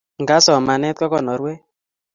Nga somanet ko konorwet